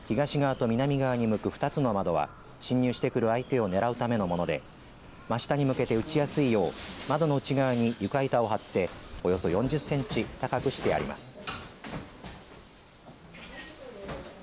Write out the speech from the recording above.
やぐらに設けられた東側と南側に向く２つの窓は侵入してくる相手を狙うためのもので真下に向けて撃ちやすいよう窓の内側に床板をはっておよそ４０センチ高くしてあります。